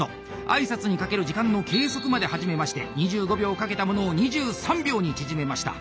挨拶にかける時間の計測まで始めまして２５秒かけたものを２３秒に縮めました。